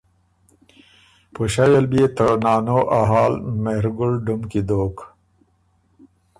پُݭئ ال بيې ته نانو ا حال مهرګل ډُم کی دوک